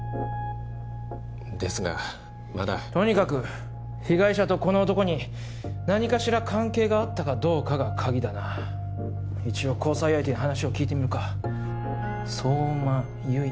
ですがまだとにかく被害者とこの男に何かしら関係があったかどうかが鍵だな一応交際相手に話を聞いてみるか「相馬悠依」